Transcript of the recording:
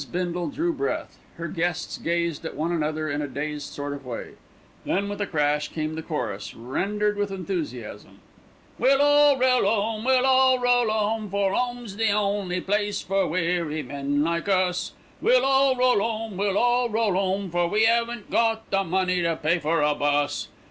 Bindle drew breath. Her guests gazed at one another in a dazed sort of way. Then with a crash came the chorus, rendered with enthusiasm: We'll all roll 'ome, we'll all roll 'ome, For 'ome's the only place for weary men like us, We'll all roll 'ome, we'll all roll 'ome, For we 'aven't got the money to pay for a bus.